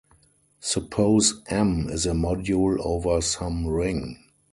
Suppose "M" is a module over some ring.